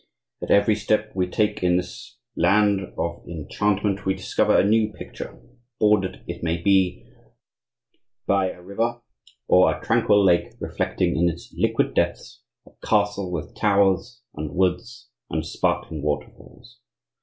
At every step we take in this land of enchantment we discover a new picture, bordered, it may be, by a river, or a tranquil lake reflecting in its liquid depths a castle with towers, and woods and sparkling waterfalls.